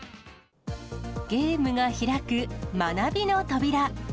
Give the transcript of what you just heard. ゲームが開く学びの扉。